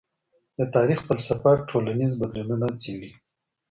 د تاریخ فلسفه ټولنیز بدلونونه څېړي.